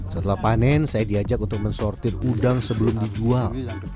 setelah panen saya diajak untuk mensortir udang sebelum dijual